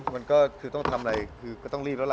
มันก็คือต้องทำอะไรคือก็ต้องรีบแล้วล่ะ